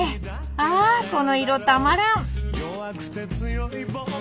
あこの色たまらん！